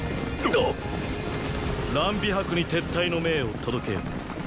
っ⁉乱美迫に撤退の命を届けよ！